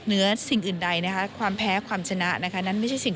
สิ่งอื่นใดนะคะความแพ้ความชนะนะคะนั่นไม่ใช่สิ่ง